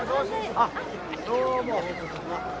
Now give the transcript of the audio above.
あっどうも。